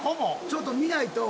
ちょっと見ないと。